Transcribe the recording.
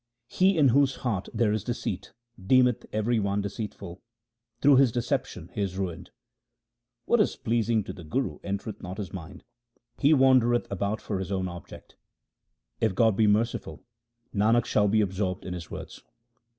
He in whose heart there is deceit deemeth every one deceitful ; through this deception he is ruined. What is pleasing to the Guru entereth not his mind ; he wandereth about for his own object. If God be merciful, Nanak shall be absorbed in His words.